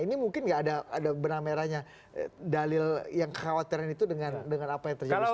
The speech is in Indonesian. ini mungkin nggak ada benang merahnya dalil yang kekhawatiran itu dengan apa yang terjadi sekarang